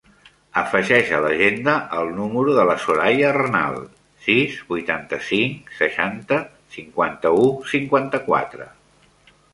Afegeix a l'agenda el número de la Soraya Arnal: sis, vuitanta-cinc, seixanta, cinquanta-u, cinquanta-quatre.